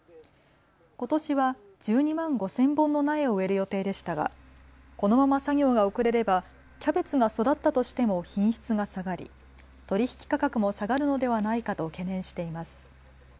ことしは１２万５０００本の苗を植える予定でしたが、このまま作業が遅れればキャベツが育ったとしても品質が下がり取り引き価格も下がるのではないかと懸念しています。